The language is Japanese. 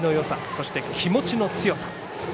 そして、気持ちの強さ。